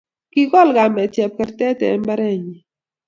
Kikol kamet chepkertet eng mbarenyi